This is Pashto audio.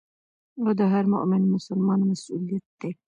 او د هر مؤمن مسلمان مسؤليت دي.